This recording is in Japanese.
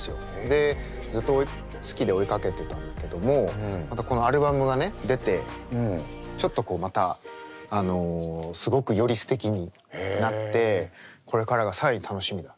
でずっと好きで追いかけてたんだけどもこのアルバムがね出てちょっとこうまたすごくよりすてきになってこれからが更に楽しみな。